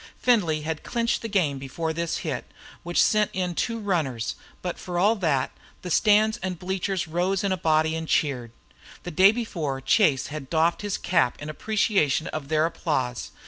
Findlay had clinched the game before this hit, which sent in two runners, but for all that, the stands and bleachers rose in a body and cheered. The day before Chase had doffed his cap in appreciation of their applause.